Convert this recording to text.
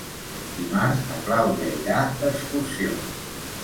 Dimarts na Clàudia irà d'excursió.